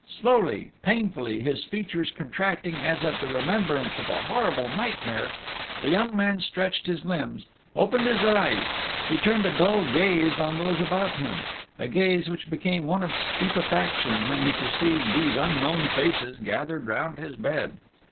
Slowly, painfully, his features contracting as at the remembrance of a horrible nightmare, the young man stretched his limbs, opened his eyes: he turned a dull gaze on those about him, a gaze which became one of stupefaction when he perceived these unknown faces gathered round his bed.